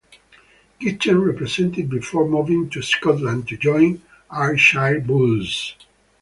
Kitchen represented before moving to Scotland to join Ayrshire Bulls.